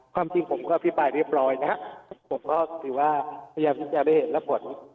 ความจริงผมก็อธิบายเรียบร้อยนะครับผมก็คิดว่าพยายามจะได้เห็นระบวน